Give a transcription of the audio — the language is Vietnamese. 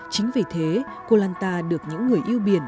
chính vì thế koh lanta được những người yêu biển